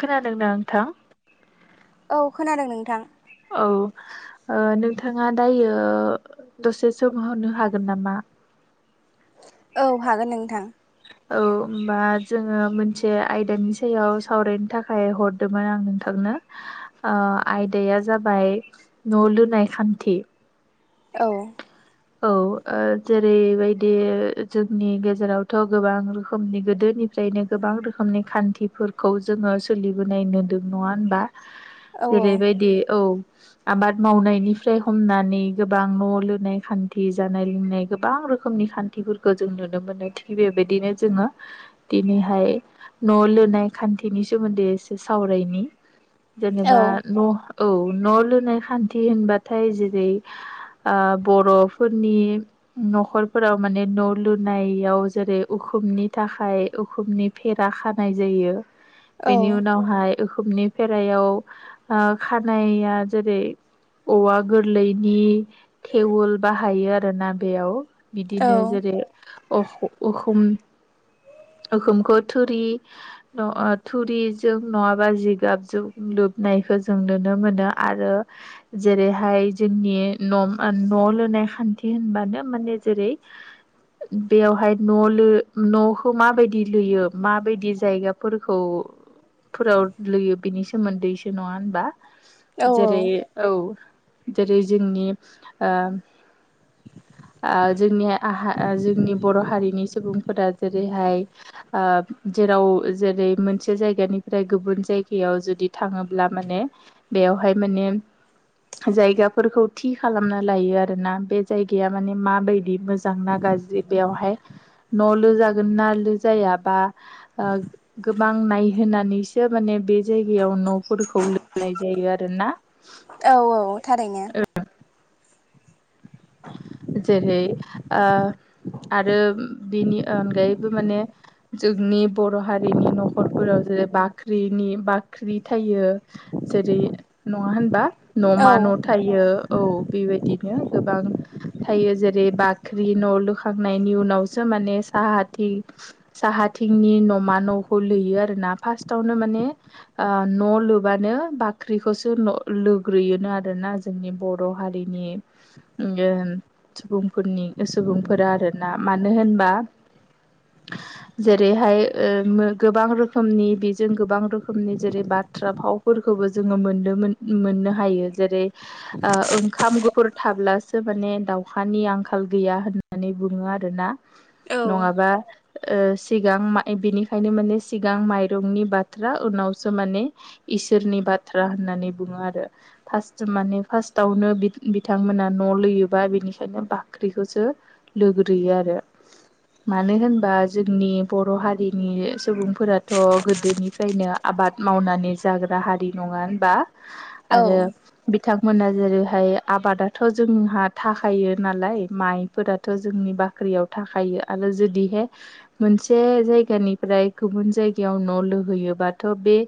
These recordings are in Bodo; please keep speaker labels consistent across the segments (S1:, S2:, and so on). S1: खोनादों ना नोंथां
S2: औ खोनादों नोंथां
S1: औ ओ नोंथाङा दायो दसे समहरनो हागोन नामा?
S2: औ हागोन नोंथां
S1: औ होमबा जोङो मोनसे आयदानि सायाव सावरायनो थाखाय हर दोंमोन आं नोंथांनो आयदाया जाबाय न' लुनाय खान्थि
S2: औ
S1: औ जेरैबायदि जोंनि गेजेरावथ' गोबां रोखोमनि गोदोनि जयैनो गोबां रोखोमनि खान्थिफोरखौ जोङो सोलिबोनाय नुदों नङा होनबा?
S2: औ
S1: जेरैबायदि औ आबाद मावनायनिफ्राय हमनानै गोबां न' लुनाय खान न्थि जानाय लोंनाय गोबां रोखोमनि खान्थिफोरखौ जों नुनो मोनो थिग बेबायदिनो जोङो दिनैहाय न' लुनाय खान्थिनि सोमोन्दै एसे सावरायनि
S2: औ
S1: जेनेबा न' औ न' लुनाय खान्थि होनबाथाय जेरै ओ बर' फोरनि न'खरफोराव माने न' लुनायाव जेरै उखुमनि थाखाय उखुमनि फेरा खानाय जायो
S2: औ
S1: बेनि उनाव हाय ओखुबनि फेरायाव ओ खानाया जेरै औवा गोरलैनि थेवल बाहायो आरोना बेयाव
S2: औ
S1: बिदिनो जेरै अखुम उखुम अखुमखौ थुरि थुरिजों नङाबा जिगाबजों लोबनायखौ जों नुनो मोनो आरो जेरैहाय जोंनि न न' लुनो नाय खान्थि होनबानो माने जेरै बेयावहाय न' ल न'खौ माबायदि लोयो माबायदि जायगा फोरखौ फुराव लोयो बिनि सोमोन्दैसो नङा होनबा
S2: औ
S1: जेरै औ जेरै जोंनि ओ जोंनि जोंनि बर' हारिनि सुबुंफोरा जेरैहाय ओ जेराव जेरै मोनसे जायगानिफ्राय गुबुन जायगायाव जुदि थाङोब्ला माने बेवहाय माने जायगाफोरखौ थि खालामना लायो आरो आरोना बे जायगाया माने माबायदि मोजां ना गाज्रि बेयावहाय न' लु जागोन ना लुजाया बा ओ गोबां नायहोनानैसो माने बे जायगायाव न'फोरखौ लिरनाय जायो आरोना
S2: औ औ थारैनो
S1: जेरै ओ आरो बिनि अनगायैबो माने जोंनि बर' हारिनि न'खरफोराव जेरै बाख्रिनि बाख्रि थायो जेरै नङा होनबा
S2: औ
S1: न'मा न' थायो औ बेबायदिनो गोबां थायो जेरै बाख्रि न' लुखांनायनि उनावसो माने साहाथिं साहाथिंनि न'मा न'खौ लैयो आरोना फार्स्टावनो माने ओ न' लुबानो बाख्रिखौसो लुग्रोयोनो आरो ना जोंनि बर' हारिनि उ सुबुंफोरनि सुबुंफोरा आरोना मानो होनबा जेरैहाय ओ गोबां रोखोमनि बेजों गोबां रोखोमनि जेरै बाथ्रा भाव फोरखौबो जोङो मोननो मोननो हायो जेरै ओ ओंखाम गुफुर थाब्लासो माने दाउ अखानि आंखाल गैया होननानै बुङो आरोना
S2: औ
S1: नङाबा ओ सिगां बिनिखायनो माने सिगां माइरंनि बाथ्रा उनावसो माने इसोरनि बाथ्रा होननानै बुङो आरो फार्स्ट माने फार्स्टआवनो बि-बिथांमोना न' लुयोबा बिनि ओंखायनो बाख्रिखौसो लुग्रोयो आरो। मानो होनबा जोंनि बर' हारिनि सुबुंफोराथ' गोदोनिफ्रायनो आबाद मावनानै जाग्रा हारि नङा होनबा?
S2: औ
S1: आरो बिथांमोना जेरैहाय आबादाथ' जोंहा था थायो नालाय माइफोराथ' जोंनि बाख्रियाव थाखायो आरो जुदिहे मोनसे जायगानिफ्राय गुबुन जायगायाव न' लुहैयोबाथ' बे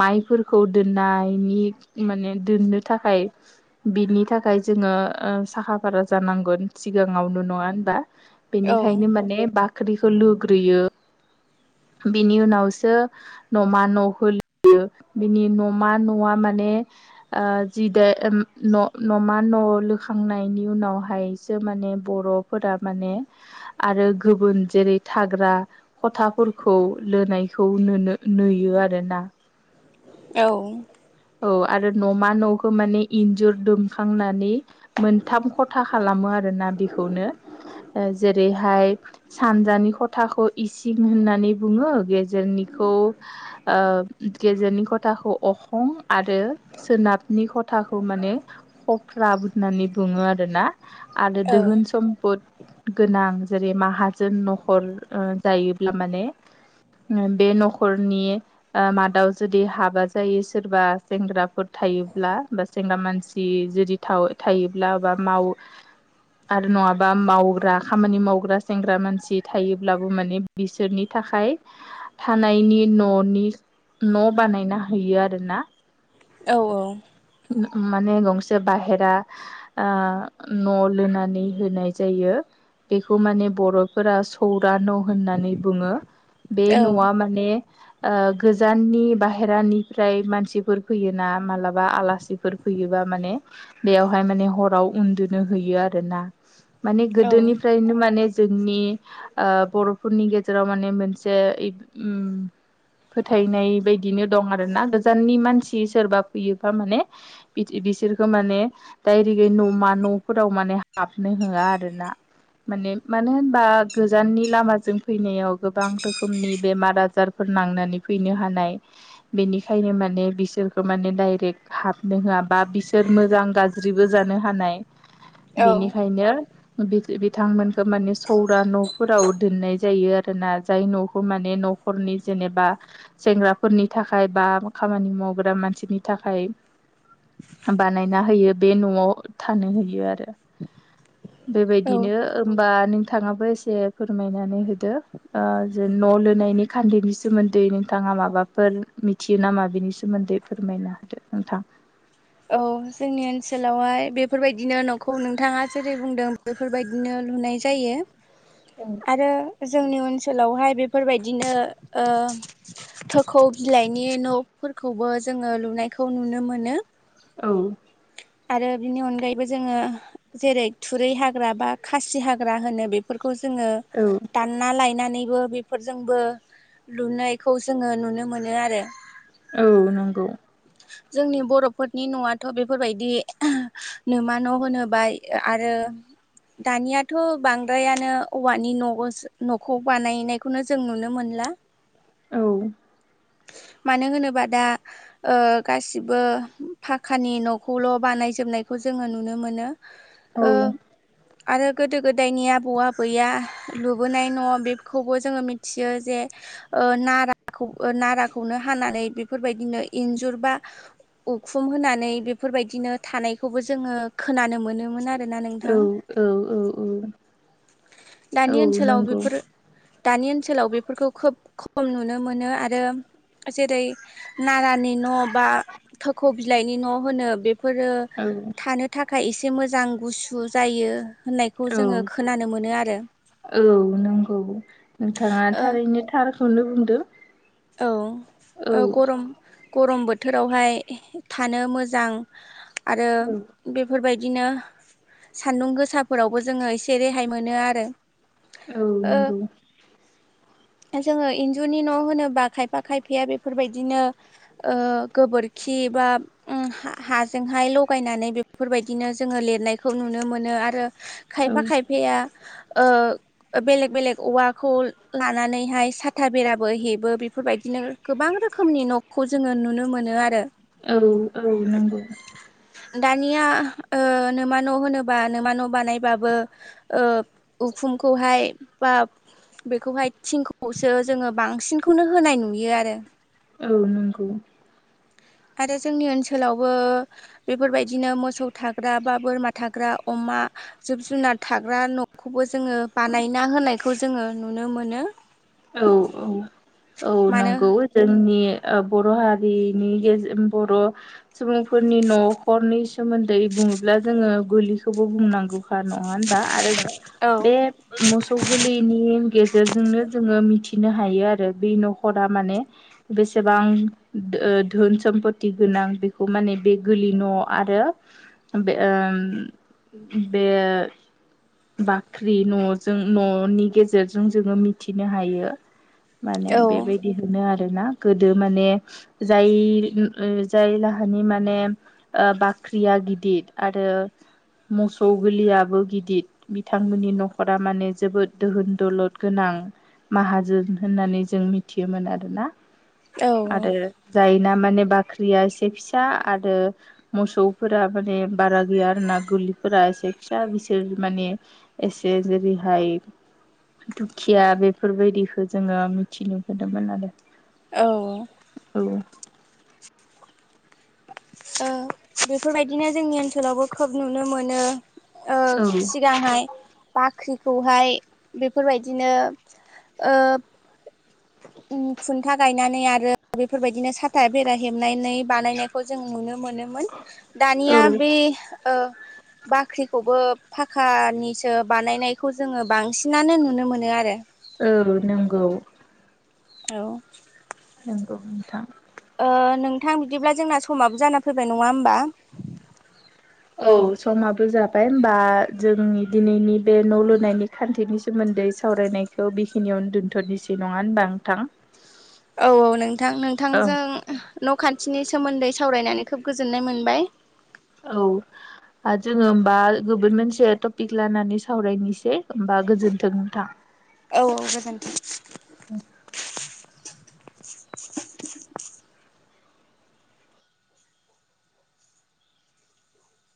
S1: माइफोरखौ दोननायनि माने दोननो थाखाय बिनि थाखाय जोङो ओ साहा बारा जानांगोन सिगाङावनो' नङा होनबा?
S2: औ
S1: बेनिखायनो माने बा ख्रिखो लुग्रोयो बेनि उनावसो न'मा न' होल [unintelligible] यो बिनि न'मा न'आ माने ओ जि दे न'-न'मा न' लुखांनाय नायनि उनावहायसो माने बर'फोरा माने आरो गुबुन जेरै थाग्रा खथाफोरखौ लुनायखौ नुनो नुयो आरोना।
S2: औ
S1: औ आरो न'मा न'खो माने इन्जुर दुमखांनानै मोनथाम खथा खालामो आरोना बेखौनो जेरैहाय सानजानि खथाखौ इसिं होननानै बुङो गेजेरनिखौ ओ गेजेरनि खथाखौ अखं आरो सोनाबनि खथाखौ माने ख'फ्रा बु होननानै बुङो आरोना आरो दोहोन सम्पद गोनां जेरै माहाजोन न'खर ओ जायोब्ला माने बे न'खरनि ओ मादाव जुदि हाबा जायै सोरबा सेंग्राफोर थायोब्ला बा सेंग्रा मानसि जुदि था-थायोब्ला बा माव आरो नङाबा मावग्रा खामानि मावग्रा सेंग्रा मानसि थायोब्लाबो माने बिसोरनि थाखाय थानायनि न'नि न' बानायना होयो आरोना।
S2: औ औ
S1: माने गंसे बाहेरा ओ न' लुानानै होनाय जायो। बेखौ माने बर'फोरा सौरा न' होननानै बुङो बे
S2: औ
S1: न'आ मा ने ओ गोजाननि बाहेरानिफ्राय मानसिफोर फैयोना मालाबा आलासिफोर फैयोबा माने बेयावहाय माने हराव उन्दुनो होयो आरो ना। माने गोदोनिफ्रायनो माने जोंनि ओ बर'फोरनि गेजेराव माने मोनसे उम फोथायनाय बायदिनो दं आरो ना गोजाननि मानसि सोरबा फैयोबा माने बिदि बिसोरखौ माने दायरेकै न'मा न'फोराव माने हाबनो होआ आरो ना। माने मानो होनबा गोजाननि लामाजों फैनायाव गोबां रोखोमनि बेमार आजार फोर नांनानै फैनो हानाय बेनिखायनो माने बिसोरखौ माने डाइरेक्ट हाबनो होआ बा बिसोर मोजां गाज्रि ज्रिबो जानो हानाय बेनिखायनो बि-बिथांमोनखो माने सौरा न'फोराव दोननाय जायो आरो ना जाय न'खौ माने न' खरनि जेनेबा सेंग्राफोरनि थाखाय बा खामानि मावग्रा मानसिनि थाखाय बानायना होयो बे न'आव थानोहोयो आरो बेबायदिनो होमबा नों -थाङाबो एसे फोरमायनानै होदो। ओ जेन न' लुनायनि खान्दैनि सोमोन्दै नोंथाङा माबाफोर मिथ थियो नामा बेनि सोमोन्दै फोरमायनो हादो नोंथां।
S2: औ जोंनि ओनसोलावहाय बेफोरबायदिनो न'खौ नोंथाङा जेरै बुंदों। बेफोरबायदिनो लुनाय जायो‌।
S1: औ
S2: रो जोंनि ओनसोलावहाय बेफोरबायदिनो ओ थोखौ बिलाइनि न'फोरखौबो जोङो लुनायखौ नुनो मोनो।
S1: औ
S2: आरो बिनि अनगायैबो जोङो। जेरै थुरै हाग्रा बा खासि हाग्रा होनो बेफोरखौ जोङो।
S1: औ।
S2: दानना लायनानैबो बेफोरजोंबो लुनायखौ जोङो नुनो मोनो आरो।
S1: औ नंगौ।
S2: [inaudible] जोंनि बर'फोरनि न'आथ' बेफोरबायदि नोमा न' होनोबाय आरो। दानियाथ' बांद्रायानो औवानि न'बो न'खौ बानायनाय। खौनो जों नुनो मोनला।
S1: औ।
S2: मानो होनोबा दा ओ गासिबो फाखानि न'खौल' बानायजोबनायखौ जोङो नुनो मोनो।
S1: [inaudible]
S2: ओ आरो गोदो गोदायनि आबौ आबैया लुबोनाय न' बेखौबो जोङो मिथियो जे ओ नाराखौ नाराखौनो हानानै बेफोरबायदिनो इन्जुर बा उखुम होनानै बेफोरबायदिनो थानायखौबो जोङो खोनानो मोनोमोन आ रोना नोंथां
S1: औ औ औ औ
S2: दानि ओनसोलाव
S1: नंगौ
S2: बेफोर दानि ओनसोलाव बेफोरखौ खोब खम नुनो मोनो आरो। जेरै नारानि न' बा थोखौ बिलाइनि न' होनो बेफोरो
S1: औ।
S2: थानो थाखाय एसे मोजां गुसु जायो होननाय।
S1: औ औ नंगौ नोंथाङा
S2: ओ
S1: थारैनो थार खौनो बुंदो।
S2: औ औ गरम गरम बोथोरावहाय थानो मोजां आरो।
S1: औ
S2: बेफोरबायदिनो सान्दुं गोसाफोरावबो जोङो एसे रेहाय मोनो आरो।
S1: औ
S2: ओ
S1: नंगौ।
S2: जोङो इन्जुरनि न' होनोबा खायफा खायफाया बेफोर बायदिनो ओ गोबोरखि बा ओ हा हाजोंहाय लगायनानै बेफोरबायदिनो जोङो लिरनायखौ नुनो मोनो आरो।
S1: औ
S2: खायफा खायफाया ओ बेलेग बेलेग औवाखौ लानानैहाय साथा बेराबो हेबो। फोरबायदिनो गोबां रोखोमनि न'खौ जोङो नुनो मोनो आरो।
S1: औ औ नंगौ।
S2: दानिया ओ नोमा न' होनोबा नोमा न' बानायबाबो। ओ उखुमखौहाय बा बेखौहाय थिंखौसो जोङो बांसिनखौनो होनाय नुयो आरो।
S1: औ नंगौ।
S2: आरो जोंनि ओनसोलावबो। बेफोरबायदिनो मोसौ थाग्रा बा बोरमा थाग्रा अमा जिब जुनार थाग्रा न'खौबो जोङो बानायना होनायखौ जोङो नुनो मोनो
S1: औ औ औ
S2: मानो
S1: नंगौ जोंनि बर' हारिनि गेजेर बर' सुबुंफोरनि न'खरनि सोमोन्दै बुङोब्ला जोङो गलखौबो बुंनांगौ नङा होनबा आरो
S2: औ
S1: बे मोसौ गोरलनि गेजेरजोंनो। जोङो मिथिनो हायो आरो बै न'खरा माने। बेसेबां ओ धोन सम्पथि गोनां बेखौ माने बे गोलि न' आरो। ओम बे बाख्रि न'जों न'नि गेजेरजों जोङो मिथिनो हायो माने
S2: औ
S1: बेबायदि होनो आरोना गोदो माने जाय जाय लाहानि माने बाख्रिया गिदद आरो मोसौ गलियाबो गिदिद बिथांमोननि न'खरा माने जोबोद दोहोन दलद गोनां माहाजोन होननानै जों मिथियोमोन आरोना
S2: औ
S1: आरो जायोना माने बाख्रिया एसे फिसा आरो मोसौफोरा माने बारा गैया आर ना गोरलैफोरा एसे फिसा बिसोर माने एसे जेरैहाय दुखिया बेफोरबायदिखौ जोङो मिथिनोुबोदोंमोन आरो
S2: औ
S1: औ'
S2: बेफोरबायदिनो जोंनि ओनसोलावबो खोब नुनो मोनो
S1: औ
S2: सिगांहाय बाख्रिखौहाय बेफोरबायदिनो
S1: [inaudible]
S2: खुन्था गायनानै आरो बेफोरबायदिनो साथा बेरा हेबनानै बानायनायखौ जों नुनो मोनो दानिया बे ओ बाख्रिखौबो फाखानिसो बानायनायखौ जोङो बांसिनानो नुनो मोनो आरो
S1: औ नंगौ
S2: औ
S1: नंगौ नोंथां
S2: नोंथां बिदिब्ला जोंना समाबो जाना फैबाय नङा होमबा
S1: औ समाबो जाबाय होमबा जोंनि दिनैनि बे न' लुनायनि खान्थिनि सोमोन्दै सावरायनायखौ बेखिनियावनो दोन्थ'नोसै नङा होनबा नोंथां
S2: औ औ नोंथां
S1: औ
S2: नोंथांजों न'खान्थिनि सोमोन्दै सावरायनानै खोब गोजोननाय मोनबाय
S1: औ जोङो होमबा गोुन मोनसे टपिक लानानै सावरायनोसै होमबा गोजोन्थों नोंथां
S2: औ औ गोजोन्थों